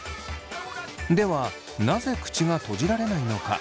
ではなぜ口が閉じられないのか。